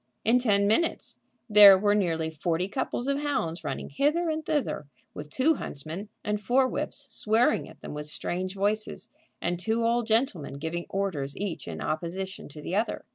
In ten minutes there were nearly forty couples of hounds running hither and thither, with two huntsmen and four whips swearing at them with strange voices, and two old gentlemen giving orders each in opposition to the other.